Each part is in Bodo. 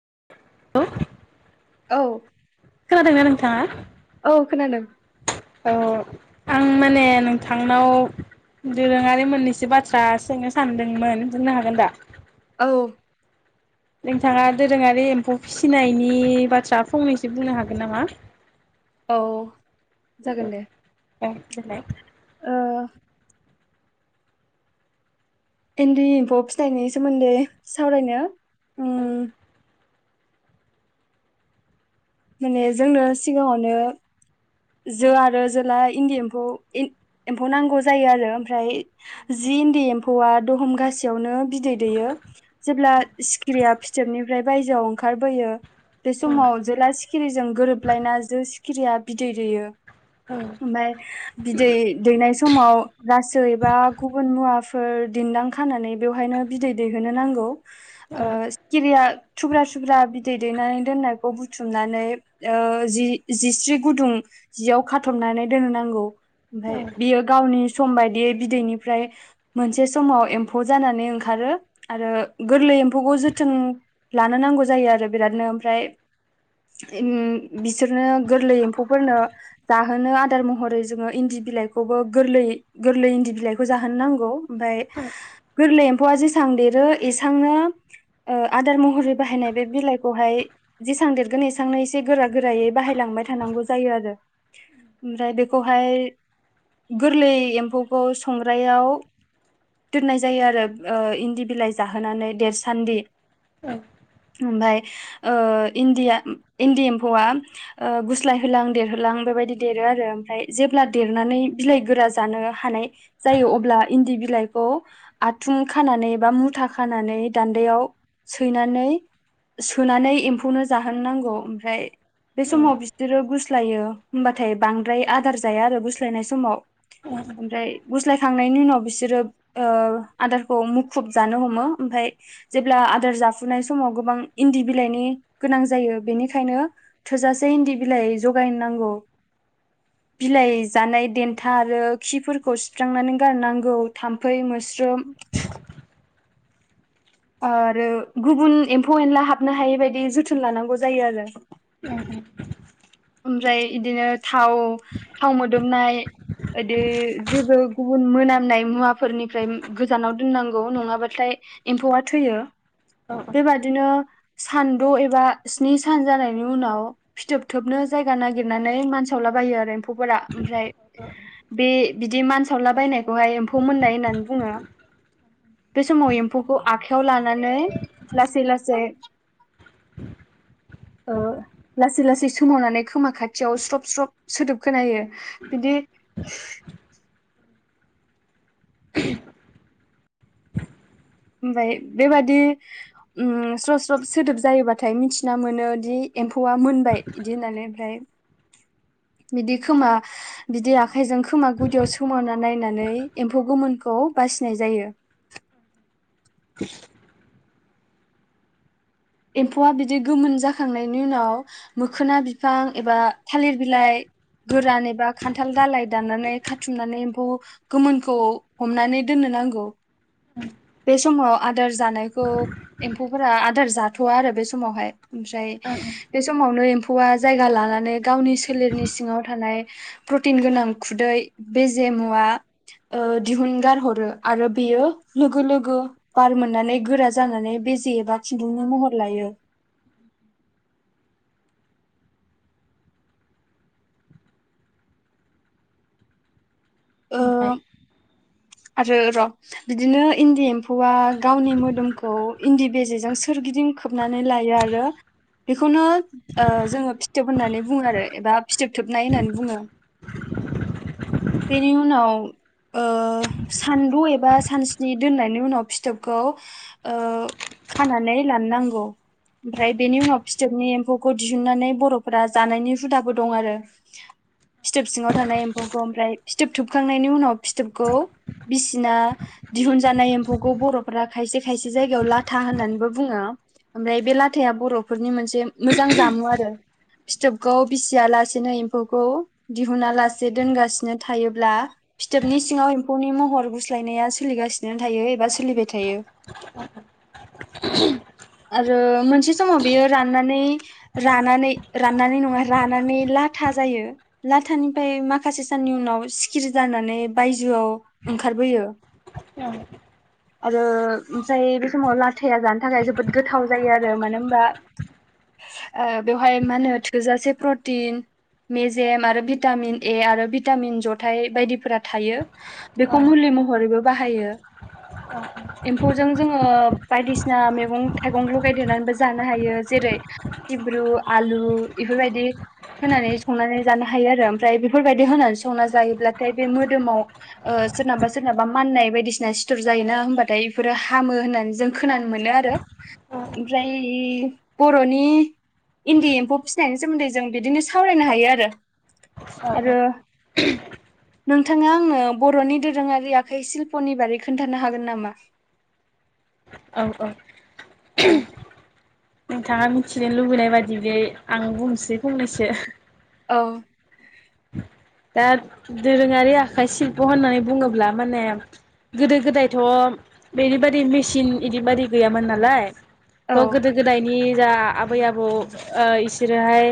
[unintelligible] औ खोनादोंना नोंथाङा औ खोनादों औ आं माने नोंथांनाव दोरोङारि मोननैसो बाथ्रा सोंनो सानदोंमोन बुंनो हागोन दा औ नोंथाङा दोरोङारि एम्फौ फिसिनायनि बाथ्रा फंनैसो बुंनो हागोन नामा औ जागोन दे [unintelligible] ओ इन्दि एम्फौ फिनायनि सोमोन्दै सावरायनो उम [unintelligible] माने जोंनो सिगाङावनो जो आरो जोला इन्दि एम्फौ एम्फौ नांगौ जायो आरो ओमफ्राय जि इन्दि एम्फौआ दहमगासेयावनो बिदै दैयो जेब्ला सिखिरिया फिथोबनि फ्राय बायजोआव ओंखारबोयो बे औ समाव जेला सिखिरिजों गोरोबलायना जो सिखिरिया बिदै दैयो औ ओमफाय बिदै दैनाय समाव रासो एबा गुबुन मुवा फोर दिन्दां खानानै बेवहायनो बिदै दैहोनो नांगौ औ सिखिरिया थुब्रा थुब्रा बिदै दैनानै दोननायखौ बुथुमनानै जि जिस्रि गुदुं जियाव खाथबनानै दोननो नांगौ ओमफाय बियो गावनि सम बायदियै बिदैनिफ्राय मोनसे समाव एम्फौ जानानै ओंखारो आरो गोरलै एम्फौखौ जोथोन लानो नांगौ जायो आरो बिरादनो ओमफ्राय बिसोरनो गोरलै एम्फौ फोरनो जाहोनो आदार महरै जोङो इन्दि बिलाइखौबो गोरलै गोरलै इन्दि बिलाइखौ जाहोनो नांगौ ओमफ्राय गोरलै एफौवा जेसेबां देरो एसांनो आदार महरै बाहायनाय बे बिलाइखौहाय जेसां देरगोन एसांनो एसे गोरा गोरायै बाहायलांबाय थानांगौ जायो आरो ओमफ्राय बेखौहाय गोरलै एम्फौखौ संग्रायाव दोननाय जायो आरो इन्दि बिलाइ जाहोनानै देरसान्दि औ ओमफ्राय इन्दि एम्फौआ गुस्लाय होलां देरहोलां बेबायदि देरो आरो ओमफ्राय जेब्ला देरनानै बिलाइ गोरा जानो हानाय जायो अब्ला इन्दि बिलाइखौ आथुम खानानै बा मुथा खानानै दान्दायाव सैनानै सोनानै एम्फौनो जाहोन नांगौ ओमफ्राय बे समाव गुस्लायो होमबाथाय बांद्राय आदार जाया आरो गुस्लायनाय समाव औ ओमफ्राय गुस्लायखांनायनि उनाव बिसोरो ओ आदारखौ मुखुब जानो हमो ओमफ्राय जेब्ला आदार जाफुनाय समाव गोबां इन्दि बिलाइनि गोनां जायो बेनिखायनो थोजासे इन्दि बिलाइ जगायनांगौ बिलाइ जानाय देन्था आरो खिफोरखौ सिस्रांनानै गारनांगौ थामफै मोस्रोम आरो गुबुन एमफौ एनला हाबनो हायै बायदि जोथोन लानांगौ जायो आरो उम [inaudible] ओमफ्राय बिदिनो थाव थाव मोदोमनाय इदि जेबो गुबुन मोनामनाय मुवाफोरनिफ्राय गोजानाव दोननांगौ नङाबाथाय एमफौवा थैयो बेबादिनो सानद' एबा स्नि सान जानायनि उनाव फिथोब थोबनो जायगा नागिरनानै मानसावला बायो आरो एम्फौफोरा ओमफ्राय बे बिदि मानसावला बायनायखौहाय एमफौ मोननाय होननानै बुङो बे समाव एमफौखौ आखाइयाव लानानै लासै-लासै-लासै ओ सोमावनानै खोमा खाथियाव स्रब स्रब सोदोब खोनायो बिदि [inaudible] ओमफ्राय बेबादि ओम स्रब स्रब सोदोब जायोबाथाय मिथिना मोनोदि एम फौवा मोनबाय बिदि होननानै ओमफ्राय बिदि खोमा बिदि आखा आखाइजों खोमा गुदियाव सोमोना नायनानै एमफौ गोमोन खौ बासिनाय जायो। एमफौआ बिदि गोमोन जाखांनायनि उनाव मोखोना बिफां एबा थालिर बिलाइ गोरान एबा खान्थाल दलाय दाननानै खाथुमनानै एम्फौ गोमोनखौ हमनानै दोननो नांगौ। [inaudible] बे समाव आदार जानायखौ एम्फौ फोरा आदार जाथ'वा आरो बे समावहाय ओमफ्राय बे समावनो एम्फौवा जायगा लानानै गावनि सोलेरनि सिङाव थानाय प्रटिन गोनां खुदै बेजे मुवा दिहुनगारहरो आरो बेयो लोगो लोगो बार मोननानै गोरा जानानै बेजे एबा खुदुंनि महर लायो ओ ओमफ्राय आरो र' बिदिनो इन्दि एम्फौआ गावनि मोदोमखौ इन्दि बेजेजों सोरगिदिं खोबनानै लायो आरो बेखौनो ओ जोङो फिथोब होननानै बुङो आरो एबा फिथोबथोबनाय होननानै बुङो। बेनि उनाव ओ सानदु एबा सानस्नि दोननायनि उनाव फिथोबखौ खानानै लानो नांगौ ओमफ्राय बेनि उनाव फिथोबनि एम्फौखौ दिहुननानै बर'फोरा जानायनि हुदाबो दं आरो फिथोब सिङाव थानाय एम्फौखौ ओमफ्राय फिथोब थोबखांनायनि उनाव फिथोबखौ बिसिना दिहुनजानाय एम्फौखौ बर'फोरा खायसे खायसे जायगायाव लाथा होननानैबो बुङो ओमफ्राय बे लाथाया बर'फोरनि मोनसे मोजां जामु आरो फिथोबखौ बिसिया लासेनो एम्फौखौ दिहुना लासे दोनगासिनो थायोब्ला फिथोबनि सिङाव एम्फौनि महर गुस्लायनाया सोलिगासिनो थायो एबा सोलिबाय थायो। आरो मोनसे समाव बेयो राननानै रानानै राननानै नङा रानानै लाथा जायो लाथानिफ्राय माखासे साननि उनाव सिखिरि जानानै बायजोआव ओंखारबोयो औ आरो ओमफ्राय बे समाव लाथाया जानो थाखाय जो बोद गोथाव जायो आरो मानो हबा बेवहाय मा होनो थोजासे प्रटिन मेजेम आरो भिटामिन ए आरो भिटामिन जथाइ बायदिफोरा थायो। बेखौ मुलि महरैबो बो बाहायो एम्फौजों जोङो बायदिसिना मैंगं थाइगं लगायदेरनानैबो जानो हायो जेरै सिब्रु आलु बेफोरबायदि होनानै संनानै जानो हायो आरो ओमफ्राय बेफोरबायदि होनानै संना जायोब्लाथाय बे मोदोमाव ओ सोरनाबा सोरनाबा माननाय बायदिसिना सिथर जायोना होनबाथाय बेफोरो हामो होननानै जों खोनानो मोनो आरो ओमफ्राय बर'नि इन्दि एम्फौ फिसिनायनि सोमोन्दै जों बिदिनो सावरायनो हायो आरो आरो नोंथाङा आंनो बर'नि दोरोङारि आखाइशिल्प'नि बागै खोन्थानो हागोन नामा? औ-औ औ [inaudible] नोंथाङा मिथिनो लुबैनाय बादि बे आं बुंनोसै फंनैसो औ दा दोरोङारि आखाइ सिल्प' होननानै बुङोब्ला माने गोदो गोदायथ' [unintelligible] मेसिन इदिबादि गैयामोन नालाय औ थ' गोदो गोदायनि जा आबै आबौ इसोरोहाय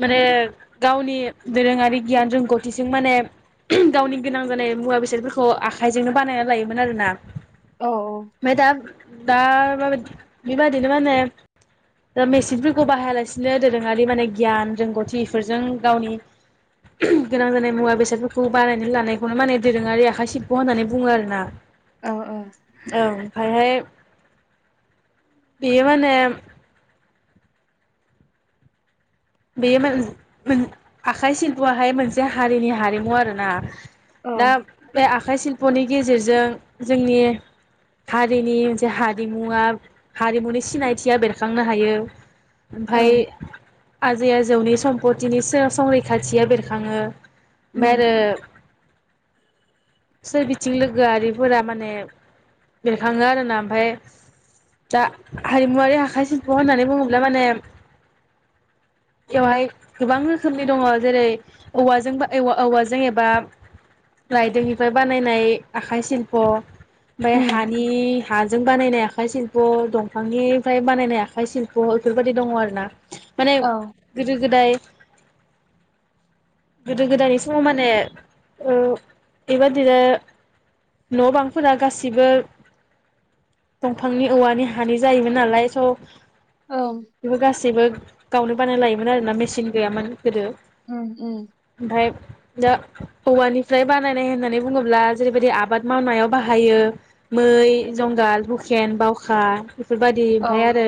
माने गावनि दोरोङारि गियान रोंगौथिजों माने गावनि गोनां जानाय मुवा बेसादफोरखौ आखाइजोंनो बानायना लायोमोन आरोना औ [unintelligible] दा दा [unintelligible] बेबायदिनो माने मेसिनफोरखौ बाहायालासिनो दोरोङारि माने गियान रोंगौथिफोरजों इफोरजों गावनि गोनां जानाय मुवा बेसादफोरखौ बानायनो लानायखौनो माने दोरोङारि आखाइ सिल्प होननानै बुङो आरो ना औ औ ओमफ्रायहाय बेयो‌ माने बेयो [unintelligible] आखाइ सिल्पआहाय मोनसे हारिनि हारिमु आरोना औ दा बे आख आखाइ सिल्प'नि गेजेरजों जोंनि हारिनि मोनसे हारिमुआ हारिमुनि सिनायथिया बेरखांनो हायो ओमफाय औ आजै आजौनि सम्पतिनि सो संरैखाथिया बेरखाङो ओमफाय उम आरो सोरबिथिं लोगोआरिफोरा माने बेरखाङो आरोना ओमफाय दा हारिमुवारि आखाइ सिल्प होननानै बुङोब्ला माने बेवहाय गोबां रोखोमनि दङ जेरै औवाजों बा‌ ए औवाजों एबा राइदोंनिफ्राय बानायनाय आखाइ सिल्प' ओमफ्राय उम हानि हाजों बानायनाय आखाइ सिल्प दंफांनिफ्राय बानायनाय आखाइ सिल्प बेफोरबायदि दङ आरोना माने औ गोदो गोदाय गोदो गोदायनि समाव माने बेबादिनो न' बांफोरा गासिबो दंफांनि औवानि हानि जायोमोन नालाय स ओं बेबो गासैबो गावनो‌ बानायना लायोमोन आरोना मेसिन गैयामोन गोदो उम उम ओमफ्राय दा औवानिफ्राय बानायनाय होननानै बुङोब्ला जेरैबायदि आबाद मावनायाव बाहायो मै जुंगाल हुखेन बावखा बेफोरबायदि ओमफाय ओं आरो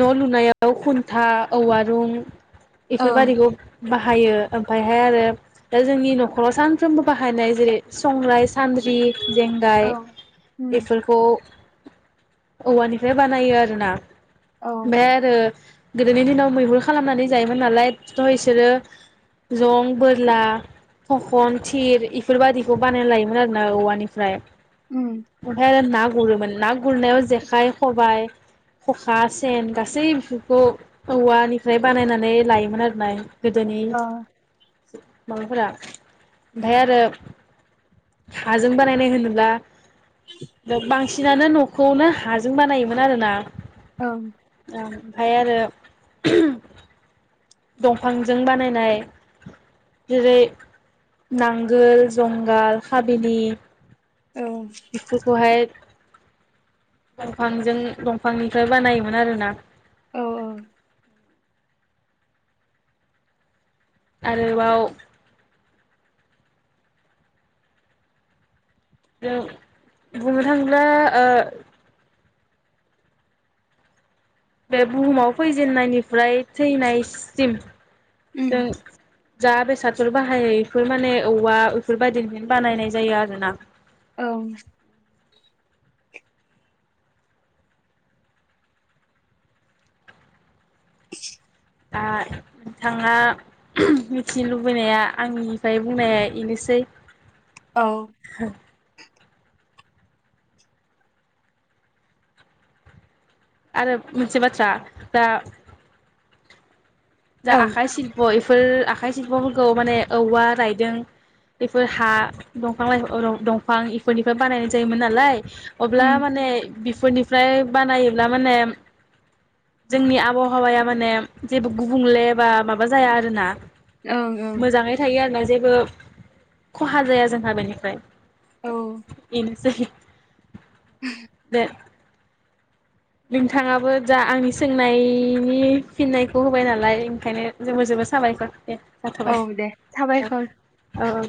न' लुनायाव खुन्था औवा रूं उम इफोरबादिखौ बाहायो ओमफायहाय आरो दा जोंनि न'खराव सानफ्रोमबो बाहायनाय जेरै संराइ सान्द्रि औ जेंगाय बेफोरखौ औवानिफ्राय बानायो आरोना ओमफाय आरो गोदोनि दिनाव मैहुर खालामनानै जायोमोन नालाय फिथ इसोरो जं बोरला थखन थिर इफोरबायदिखौ बानायना लायोमोन आरोना औवानिफ्राय उम अन्थायनो ना गुरोमोन ना गुरनायाव जेखाइ खबाइ खखा सेन गासैफोरखौ औवानि फ्राय बानायनानै लायोमोन आरोना गोदोनि ओ माबाफोरा ओमफ्राय आरो हाजों बानायनाय होनोब्ला दो बांसि सिनानो न'खौनो हाजों बानायोमोन आरोना ओं ओं ओमफाय आरो दंफांजों बानायनाय जेरै नांगोल जंगाल हाबिलि ओं बिफोरखौहाय दंफांजों दंफांनिफ्राय बानायोमोन आरोना औ औ आरोबाव बुंनो थाङोब्ला ओ बे बुहुमाव फैजेननायनिफ्राय थैनायसिम उम जों जा बेसादफोर बाहायै इफोर माने औवा बेफोरबायदिनिफ्रायनो बानायनाय जायो आरोना औ [inaudible] दा नोंथाङा मिथिनो लुबैनाया आंनिफ्राय बुंनाया इनोसै औ आरो मोनसे बाथ्रा दा जा आखाइ शिल्प फोर आखाइ शिल्पफोरखौ माने औवा रायदों बेफोर हा दंफां लाइफा औ र दंफां इफोरनिफ्राय बानायनाय जायोमोन नालाय अब्ला उम माने बेफोरनिफ्राय बानायोब्ला माने जोंनि आबहावाया माने जेबो गुबुंले बा माबा जाया आरोना ओं मोजाङै थायो आरोना जेबो खहा जाया जोंहा बेनिफ्राय ओं औ इनोसै बे नोंथाङाबो जा आंनि सोंनायनि फिननायखौ होबाय नालाय ओंखायनो जोबोर जोबोद साबायखर औ जाथ'बाय दे साबायखर औ औ